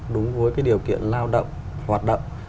đúng với cái điều kiện lao động hoạt động